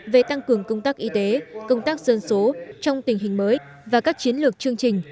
về tăng cường công tác y tế công tác dân số trong tình hình mới và các chiến lược chương trình